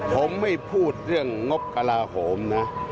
ผมไม่พูดเรื่องงบกระลาโหมนะ